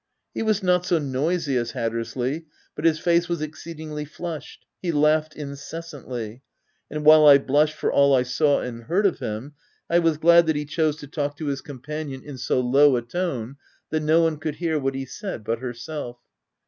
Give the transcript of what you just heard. He was not so noisy as Hattersley, but his face was exceedingly flushed, he laughed incessantly, and while I blushed for all I saw and heard of him, I was glad that he chose to talk to his companion in OF WILDFELL HALL. 229 so low a tone that no one could hear what he said but herself.